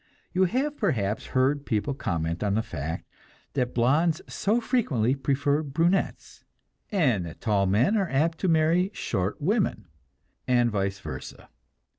You have perhaps heard people comment on the fact that blondes so frequently prefer brunettes, and that tall men are apt to marry short women, and vice versa.